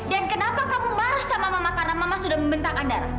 dan kenapa kamu marah sama mama karena mama sudah membentak andara